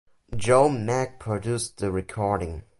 Joe Meek produced the recording.